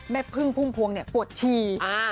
แม่พึ่งพุ่มพวงเนี่ยปวดฉี่